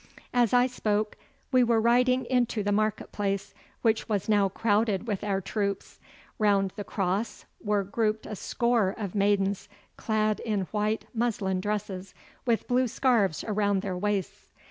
As I spoke we were riding into the market place, which was now crowded with our troops. Round the cross were grouped a score of maidens clad in white muslin dresses with blue scarfs around their waists.